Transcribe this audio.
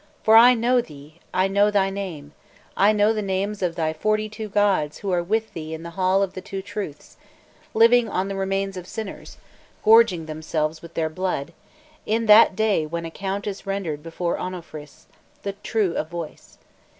For I know thee, I know thy name, I know the names of thy forty two gods who are with thee in the Hall of the Two Truths, living on the remains of sinners, gorging themselves with their blood, in that day when account is rendered before Onnophris, the true of voice.